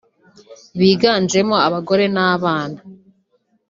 biganjemo abagore n’abana